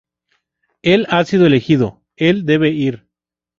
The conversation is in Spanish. Él ha sido elegido. Él debe ir.